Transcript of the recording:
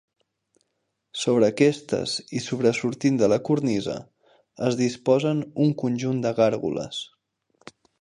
Sobre aquestes i sobresortint de la Cornisa es disposen un conjunt de gàrgoles.